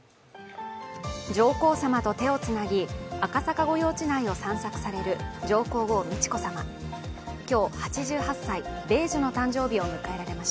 上皇さまと手をつなぎ赤坂御用地内を散策される上皇后・美智子さま。